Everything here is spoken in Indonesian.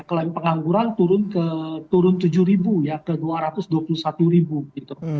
klaim pengangguran turun tujuh ribu ya ke dua ratus dua puluh satu ribu gitu